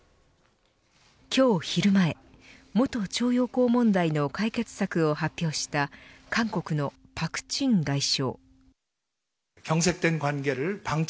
今日昼前、元徴用工問題の解決策を発表した韓国の朴振外相。